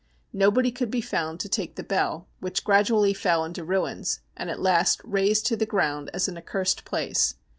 No body could be found to take the Bell, which gradually fell into ruins, and was at last razed to the ground as an accursed place.